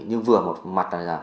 nhưng vừa một mặt là